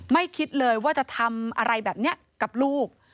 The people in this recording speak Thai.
คิดเลยว่าจะทำอะไรแบบนี้กับลูก